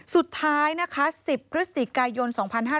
สุดท้าย๑๐พฤศจิกายยนต์๒๕๕๖